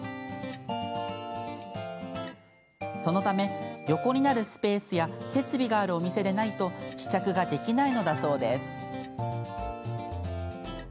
そのため、横になるスペースや設備があるお店でないと試着ができないのだそうです。